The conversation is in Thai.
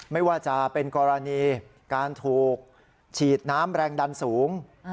ไม่ว่าจะเป็นกรณีการถูกฉีดน้ำแรงดันสูง